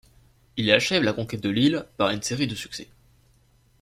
Il achève la conquête de l'île par une série de succès.